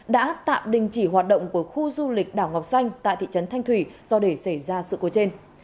đã tạm đình chỉ hoạt động của khu du lịch đảo ngọc xanh tại thị trấn thanh thủy do để xảy ra sự cố trên